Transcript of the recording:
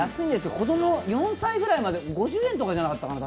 子供は４歳ぐらいまで、５０円とかじゃなかったかな？